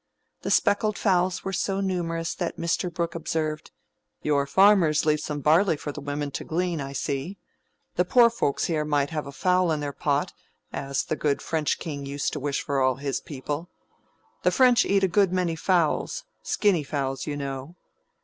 The speckled fowls were so numerous that Mr. Brooke observed, "Your farmers leave some barley for the women to glean, I see. The poor folks here might have a fowl in their pot, as the good French king used to wish for all his people. The French eat a good many fowls—skinny fowls, you know."